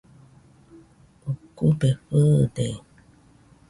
Ukube fɨɨde.